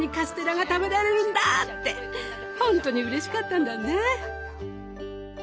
ほんとにうれしかったんだね。